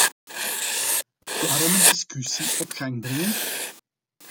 Waarom een discussie op gang brengen?